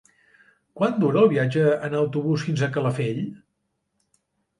Quant dura el viatge en autobús fins a Calafell?